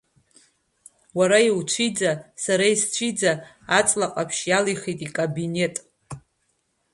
Уара иуцәиӡа, сара исцәиӡа, аҵла ҟаԥшь иалихит икабинет.